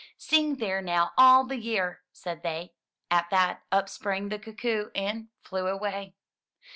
'*Sing there now all the year," said they. At that, up sprang the cuckoo and flew away.